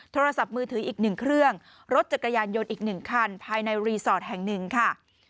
โทรศัพท์มือถืออีกหนึ่งเครื่องรถจักรยานยนต์อีก๑คันภายในรีสอร์ทแห่งหนึ่งค่ะ